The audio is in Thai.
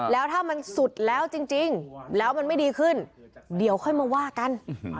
แล้วถ้ามันสุดแล้วจริงแล้วมันไม่ดีขึ้นเดี๋ยวค่อยมาว่ากัน